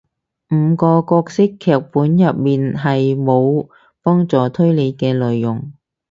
五個角色劇本入面係無幫助推理嘅內容